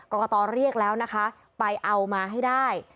กรกตเรียกแล้วนะคะไปเอามาให้ได้